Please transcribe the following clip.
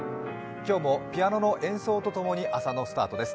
今日もピアノの演奏とともに朝のスタートです。